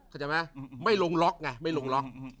เข้าใจไหมไม่ลงล็อกไงไม่ลงล็อก